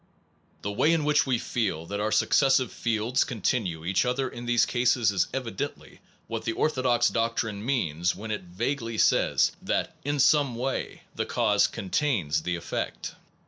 The way in which we feel that our successive fields continue each other in these cases k evi dently what the orthodox doctrine means when it vaguely says that in some way the cause contains the effect.